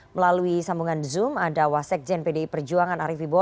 melalui sambungan zoom ada wasekjen pdi perjuangan arief ibo